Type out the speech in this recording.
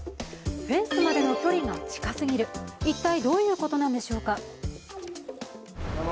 フェンスまでの距離が近すぎる、一体どういうことなんでしょうか。